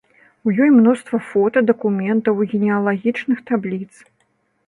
У ёй мноства фота, дакументаў, генеалагічных табліц.